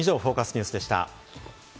ニュースでした。